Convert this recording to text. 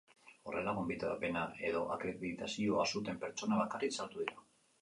Horrela, gonbidapena edo akreditazioa zuten pertsonak bakarrik sartu dira.